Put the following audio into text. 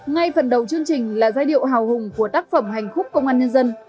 ngay phần đầu chương trình là giai điệu hào hùng của tác phẩm hành khúc công an nhân dân